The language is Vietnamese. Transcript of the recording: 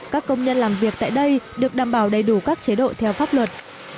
các công nhân làm việc tại đây được đảm bảo đầy đủ các chế độ theo pháp luật